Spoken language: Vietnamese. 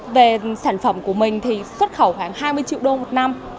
về sản phẩm của mình thì xuất khẩu khoảng hai mươi triệu đô một năm